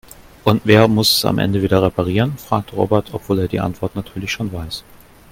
Und wer muss es am Ende wieder reparieren?, fragt Robert, obwohl er die Antwort natürlich schon weiß.